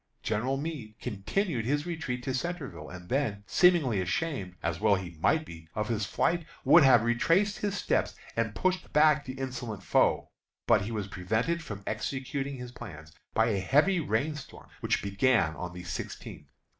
General Meade continued his retreat to Centreville, and then, seemingly ashamed as well he might be of his flight, would have retraced his steps and pushed back the insolent foe, but he was prevented from executing his plans by a heavy rain storm, which began on the sixteenth.